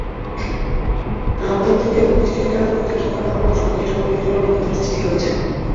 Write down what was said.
টানা কয়েক দিনের বৃষ্টিতে নারায়ণগঞ্জের সোনারগাঁ পৌরসভার দুটি সড়কে জলাবদ্ধতার সৃষ্টি হয়েছে।